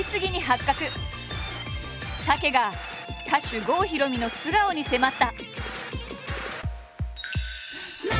武が歌手郷ひろみの素顔に迫った。